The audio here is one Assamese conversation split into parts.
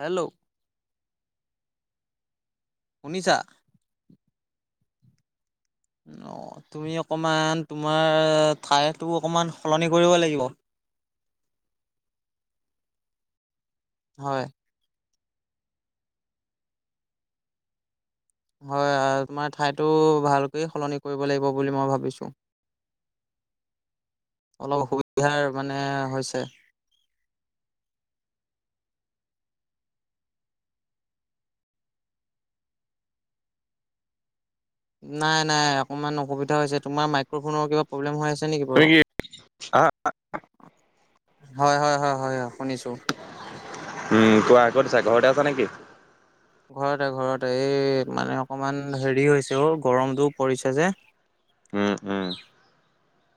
হেল্ল' শুনিছা অ তুমি অকণমান তোমাৰ ঠাইটো অকণমান সলনি কৰিব লাগিব হয় হয় তোমাৰ ঠাইটো ভালকৈ সলনি কৰিব লাগিব বুলি মই ভাবিছো অলপ অসুবিধাৰ মানে হৈছে নাই নাই অকমান অসুবিধা হৈছে তোমাৰ মাই মাক্ৰফোনৰ কিবা প্ৰব্লেম হৈ আছে নেকি তুমি বাৰু কি আহ হয় হয় হয় হয় অ শুনিছো উম কোৱা ক'ত আছা ঘৰতে আছা নেকি ঘৰতে ঘৰতে এই মানে অকমান হেৰি হৈছে অ গৰমটো পৰিছে যে উম উম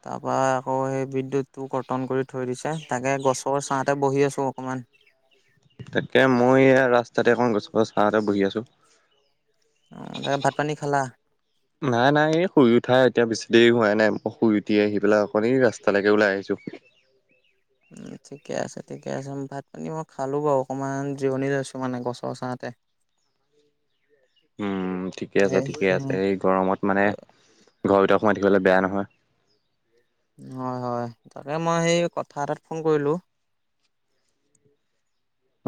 তাৰ পৰা আকৌ সেই বিদ্যুতটো কৰ্তন কৰি থৈ দিছে তাকে গছৰ ছাঁতে বহি আছো অকমান তাকে মই এইয়া ৰাস্তাতে এখন গছ গছ ছাঁতে বহি আছো ভাত পানী খালা নাই নাই এই শুই উঠা এতিয়া বেছি দেৰি হোৱাই নাই মই শুই উঠি আহি পেলাই অকণ এই ৰাস্তালৈকে ওলাই আহিছো উম ঠিকে আছে ঠিকে আছে ভাত পানী মই খালো বাৰু অকণমান জিৰণি লৈছো মানে গছৰ ছাঁতে উম ঠিকে হে আছে ঠিকে আছে হে এই গৰমত মানে ঘৰৰ ভিতৰত সোমাই থাকিবলে বেয়া নহয় হয় হয় তাকে মই সেই কথা এটাত ফোন কৰিলোঁ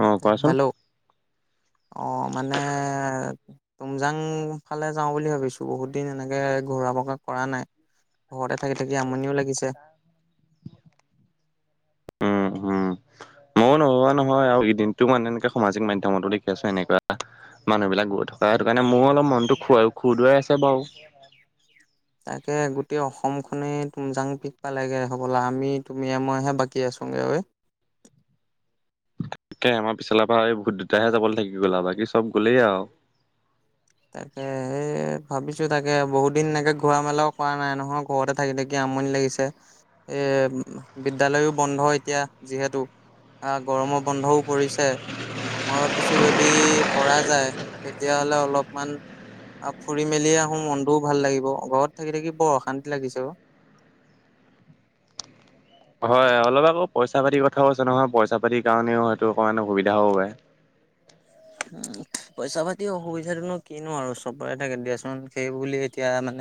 অ কোৱাচোন হেল্ল' অ মানে তুমজাং ফালে যাওঁ বুলি ভাবিছো বহুত দিন এনেকে ঘূৰা পকা কৰা নাই ঘৰতে থাকি থাকি আমনিও লাগিছে উম উম মইয়ো নভৱা নহয় আৰু এই দিনটো মানে এনেকে সামাজিক মাধ্যমতো দেখি আছো এনেকুৱা মানুহবিলাক গৈ থকা সেইটো কাৰণে মোৰো অলপ মনটো খুৱাই খুদোৱাই আছে বাৰু তাকে গোটেই অসমখনেই তুমজাং পিক পালেগে হ'বলা আমি তুমিয়ে মই হে বাকী আছোগৈ ঐ তাকে আমাৰ পিছলাৰ পৰা আমি দুটাহে যাবলৈ থাকি গ'লা আৰু বাকি চব গ'লেই আৰু তাকে সেই ভাবিছো তাকে বহুত দিন এনেকে ঘূৰা মেলাও কৰা নাই নহয় ঘৰতে থাকি থাকি আমনি লাগিছে এ বিদ্যালয়ো বন্ধ এতিয়া যিহেতু আৰু গৰমৰ বন্ধও পৰিছে মই ভাবিছো যদি পৰা যায় তেতিয়াহ'লে অলপ অকমান আ ফুৰি মেলিয়ে আহো মনটোও ভাল লাগিব ঘৰত থাকি থাকি বৰ অশান্তি লাগিছে অ হয় অলপ আকৌ পইচা পাতিৰ কথাও আছে নহয় পইচা পাতিৰ কাৰণেও হয়টো অকণমান অসুবিধা হ'ব পাৰে উম পইচা পাতিৰ অসুবিধা ত'নো কিনো আৰু চবৰে থাকে দিয়াচোন সেই বুলি এতিয়া মানে